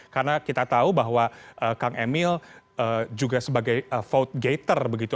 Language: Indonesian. karena kita tahu bahwa kang emil juga sebagai vote gater begitu